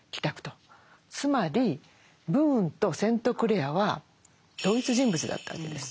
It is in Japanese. つまりブーンとセントクレアは同一人物だったわけです。